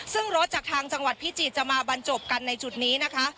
ซึ่งรถจากทางจังหวัดพิจิตรจะมาบรรจบกันในจุดนี้นะคะ